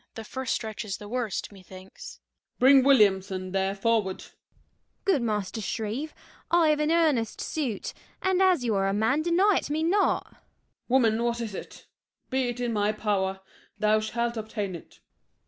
the first stretch is the worst, me thinks. SHERIFF. Bring Williamson there forward. DOLL. Good Master Shrieve, I have an earnest suit, And, as you are a man, deny't me not. SHERIFF. Woman, what is it? be it in my power, Thou shalt obtain it.